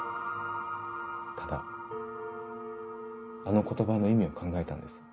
ただあの言葉の意味を考えたんです。